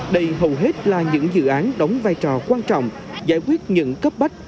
đây hầu hết là những dự án đóng vai trò quan trọng giải quyết những cấp bách